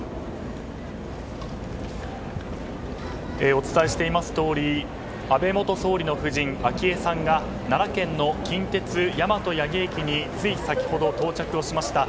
お伝えしていますとおり安倍元総理の夫人・昭恵さんが奈良県の近鉄大和八木駅につい先ほど到着をしました。